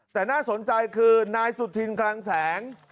แต่น่าสนใจคือนายสุธินคลังแสง